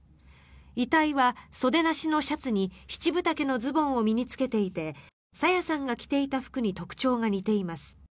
遺体は、袖なしのシャツに七分丈のズボンを身に着けていて朝芽さんが着ていた服に特徴が似ています。